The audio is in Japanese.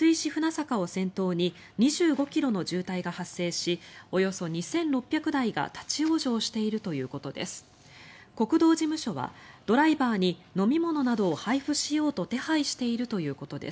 船坂を先頭に２５ｋｍの渋滞が発生しおよそ２６００台が立ち往生しているということです。